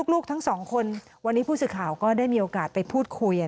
ลูกทั้งสองคนวันนี้ผู้สื่อข่าวก็ได้มีโอกาสไปพูดคุย